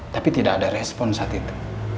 tapi tidak ada respon saat itu